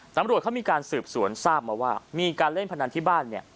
ตำรวจเขามีการสืบสวนทราบมาว่ามีการเล่นพนันที่บ้านเนี่ย